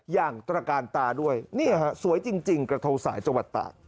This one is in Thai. ตระกาลตาด้วยนี่ฮะสวยจริงกระทงสายจังหวัดตาก